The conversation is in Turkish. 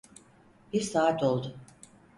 Bir saat oldu.